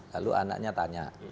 lalu anaknya tanya